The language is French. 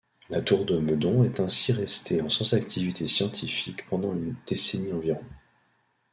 La tour de Meudon est ainsi restée sans activité scientifique pendant une décennie environ.